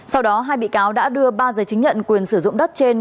sau đó hai bị cáo đã đưa ba giấy chứng nhận quyền sử dụng đất trên